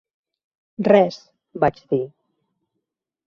"Res", vaig dir.